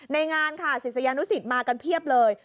งานค่ะศิษยานุสิตมากันเพียบเลย